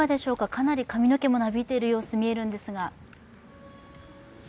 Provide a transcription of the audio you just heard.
かなり髪の毛もなびいている様子、見えるんですが。